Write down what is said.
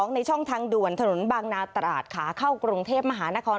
ในช่องทางด่วนถนนบางนาตราดขาเข้ากรุงเทพมหานคร